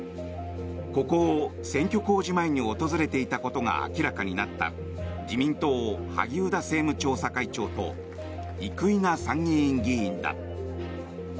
ここを選挙公示前に訪れていたことが明らかになった自民党、萩生田政務調査会長と生稲参議院議員だ。